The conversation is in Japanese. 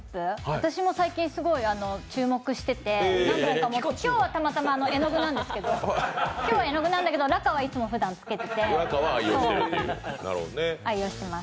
私も最近、すごい注目してて今日は、たまたま絵の具なんですけど、Ｌａｋａは、いつもふだんつけてて、愛用してます。